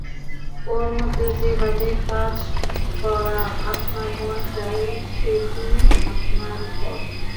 ওর মধ্যে যে ভাবে কাজ করা আপনার মন চায় সেইটেই আপনার পথ।